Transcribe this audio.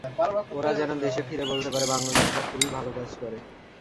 ওরা যেন দেশে ফিরে বলতে পারে বাংলাদেশিরা খুবই ভালো কাজ করে।